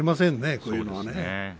こういうのはね。